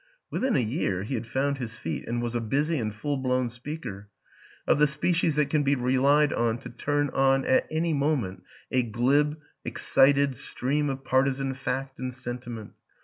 Within a year, he had found his feet and was a busy and full blown speaker of the species that can be relied on to turn on, at any moment, a glib, excited stream of partisan fact and sentiment.